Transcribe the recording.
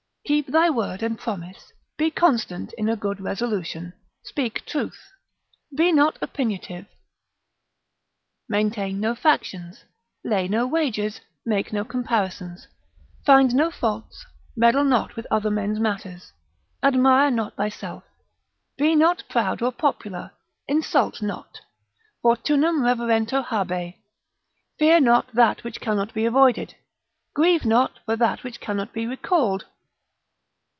Keep thy word and promise, be constant in a good resolution. Speak truth. Be not opiniative, maintain no factions. Lay no wagers, make no comparisons. Find no faults, meddle not with other men's matters. Admire not thyself. Be not proud or popular. Insult not. Fortunam reverentur habe. Fear not that which cannot be avoided. Grieve not for that which cannot be recalled.